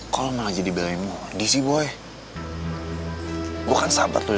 kalo malah jadi belainmu disi boy gue kan sabar lu dari kecil mondi kan baru temenan sama lo baru baru ini